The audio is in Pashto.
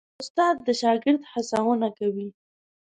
استاد د شاګرد هڅونه کوي.